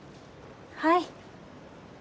はい。